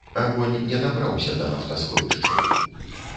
Агонь не дабраўся да нафтасховішчаў.